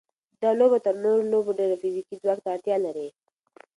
دا لوبه تر نورو لوبو ډېر فزیکي ځواک ته اړتیا لري.